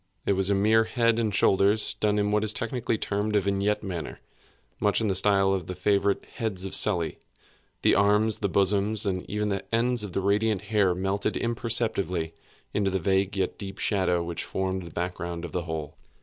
It was a mere head and shoulders, done in what is technically termed a vignette manner; much in the style of the favorite heads of Sully. The arms, the bosom, and even the ends of the radiant hair melted imperceptibly into the vague yet deep shadow which formed the back ground of the whole.